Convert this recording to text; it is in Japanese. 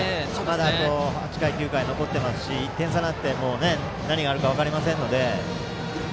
あと８回、９回残ってますし１点差になっても何があるか分かりませんからね。